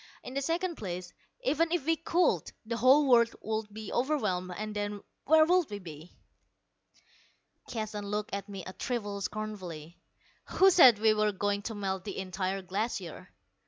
In the second place, even if we could, the whole world would be overwhelmed, and then where would we be?" Keston looked at me a trifle scornfully. "Who said we were going to melt the entire glacier?